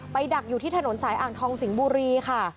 ดักอยู่ที่ถนนสายอ่างทองสิงห์บุรีค่ะ